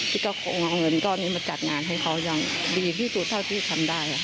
ที่ก็คงเอาเงินก้อนนี้มาจัดงานให้เขายังดีที่สุดเท่าที่ทำได้ค่ะ